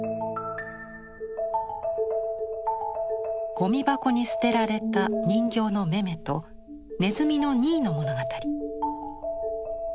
ゴミ箱に捨てられた人形のメメとネズミのニーの物語。